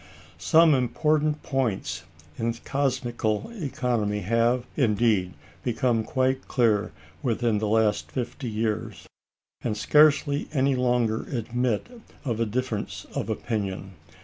Some important points in cosmical economy have, indeed, become quite clear within the last fifty years, and scarcely any longer admit of a difference of opinion.